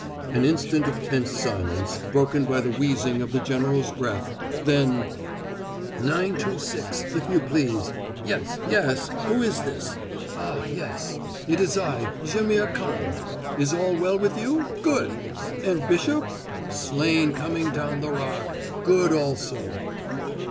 An instant of tense silence, broken by the wheezing of the general's breath, then "Nine two six, if you please. Yes yes, who is this? Ah, yes. It is I, Jaimihr Khan. Is all well with you? Good! And Bishop? Slain coming down the Rock good also!"